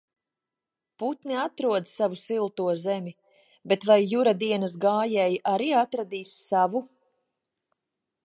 Putni atrod savu silto zemi, bet vai Jura dienas gājēji arī atradīs savu?